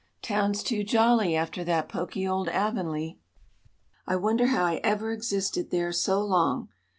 Town's too jolly after that poky old Avonlea. I wonder how I ever existed there so long.